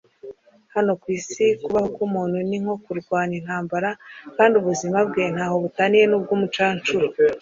hano ku isi, kubaho k'umuntu ni nko kurwana intambara, kandi ubuzima bwe nta ho butaniye n'ubw'umucancuro